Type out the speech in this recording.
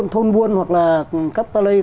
thôn buôn hoặc là các palay